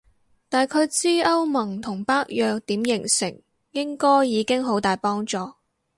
大概知歐盟同北約點形成應該已經好大幫助